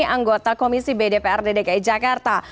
anggota komisi bdpr dki jakarta